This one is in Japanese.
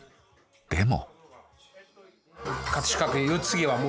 でも。